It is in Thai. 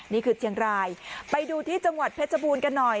นี่คือเชียงรายไปดูที่จังหวัดเพชรบูรณ์กันหน่อย